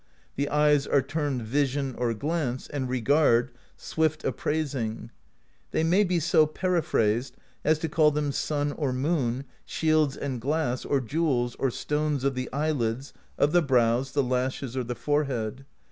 The eyes are termed Vision or Glance, and Regard, Swift Apprais ing; [they may be so periphrased as to call them Sun or Moon, Shields and Glass or JewelsorStones of the Eyelids, of the Brows, the Lashes, or the Forehead]